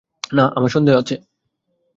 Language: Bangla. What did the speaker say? না, আমার সন্দেহ আছে।